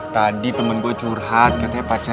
tadi temen gue curhat katanya pakar itu aja ya